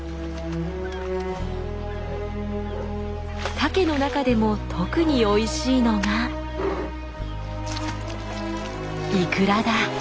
サケの中でも特においしいのがイクラだ。